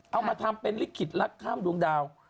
เอามาทำเป็นลิขิตรักข้ามดวงดาว